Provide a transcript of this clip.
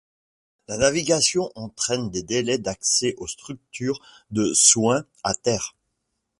La navigation entraîne des délais d’accès aux structures de soins à terre.